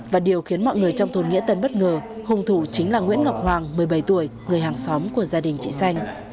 và điều khiến mọi người trong thôn nghĩa tân bất ngờ hùng thủ chính là nguyễn ngọc hoàng một mươi bảy tuổi người hàng xóm của gia đình chị xanh